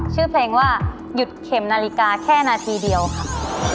ชื่อเพลงว่าหยุดเข็มนาฬิกาแค่นาทีเดียวค่ะ